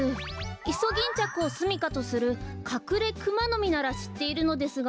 イソギンチャクをすみかとするカクレクマノミならしっているのですが。